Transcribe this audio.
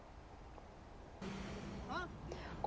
quảng bình tp hcm